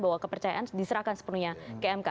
bahwa kepercayaan diserahkan sepenuhnya ke mk